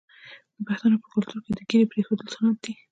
د پښتنو په کلتور کې د ږیرې پریښودل سنت دي.